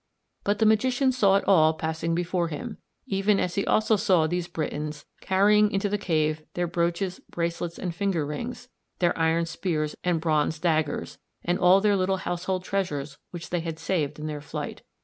But the magician saw it all passing before him, even as he also saw these Britons carrying into the cave their brooches, bracelets, and finger rings, their iron spears and bronze daggers, and all their little household treasures which they had saved in their flight.